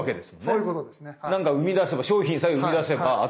そういうことですね。